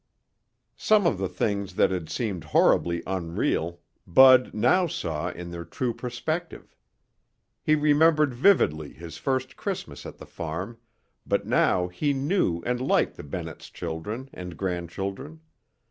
Some of the things that had seemed horribly unreal, Bud now saw in their true perspective. He remembered vividly his first Christmas at the farm, but now he knew and liked the Bennetts' children and grandchildren.